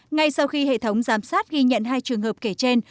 ngay sau khi hệ thống giám sát ghi nhận hai trường hợp kể trên